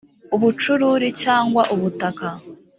ubucururi cyangwa ubutaka